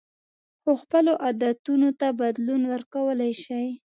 خو خپلو عادتونو ته بدلون ورکولی شئ.